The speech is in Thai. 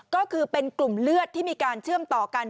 ก็คือเป็นกลุ่มเลือดที่มีการเชื่อมต่อกัน